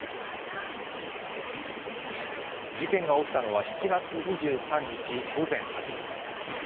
事件が起きたのは７月２３日午前８時。